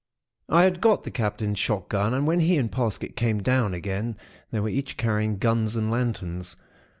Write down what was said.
"I had got the Captain's shot gun, and when he and Parsket came down again, they were each carrying guns and lanterns.